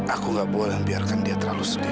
aku gak boleh membiarkan dia terlalu sedih